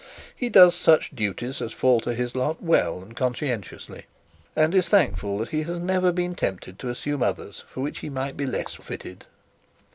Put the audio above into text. He does such duties as fall to his lot well and conscientiously, and is thankful that he has never been tempted to assume others for which he might be less fitted.